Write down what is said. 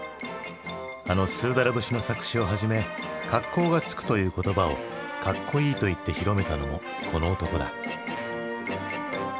あの「スーダラ節」の作詞をはじめ「格好がつく」という言葉を「かっこいい」と言って広めたのもこの男だ。